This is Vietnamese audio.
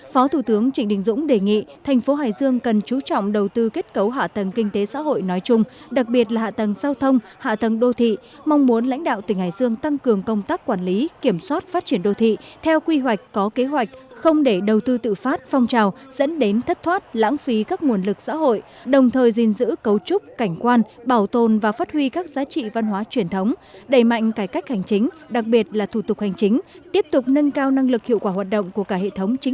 phó thủ tướng trịnh đình dũng đề nghị thành phố hải dương cần chú trọng đầu tư kết cấu hạ tầng kinh tế xã hội nói chung đặc biệt là hạ tầng giao thông hạ tầng đô thị mong muốn lãnh đạo tỉnh hải dương tăng cường công tác quản lý kiểm soát phát triển đô thị theo quy hoạch có kế hoạch không để đầu tư tự phát phong trào dẫn đến thất thoát lãng phí các nguồn lực xã hội đồng thời giữ cấu trúc cảnh quan bảo tồn và phát huy các giá trị văn hóa truyền thống đẩy mạnh cải